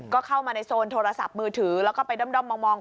ก็เข้ามาในโซนโทรศัพท์มือถือแล้วก็ไปด้อมมอง